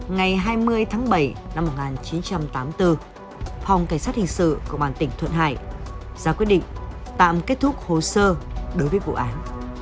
ngày hai mươi tháng bảy năm một nghìn chín trăm tám mươi bốn phòng cảnh sát hình sự công an tỉnh thuận hải ra quyết định tạm kết thúc hồ sơ đối với vụ án